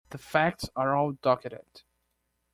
The facts are all docketed.